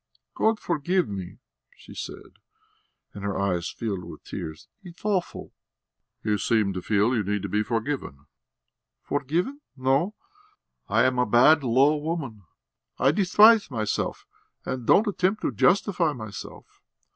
"God forgive me," she said, and her eyes filled with tears. "It's awful." "You seem to feel you need to be forgiven." "Forgiven? No. I am a bad, low woman; I despise myself and don't attempt to justify myself.